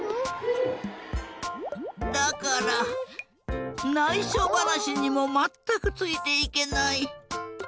だからないしょばなしにもまったくついていけない。